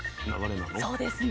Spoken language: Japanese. そうですね。